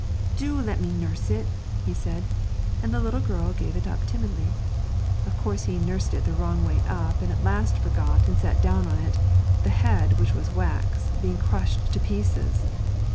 'Do let me nurse it,' he said, and the little girl gave it up timidly. Of course he nursed it the wrong way up, and at last he forgot, and sat down on it, the head, which was wax, being crushed to pieces!